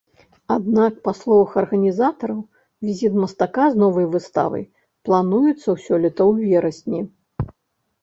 Аднак, па словах арганізатараў, візіт мастака з новай выставай плануецца ў сёлета ў верасні.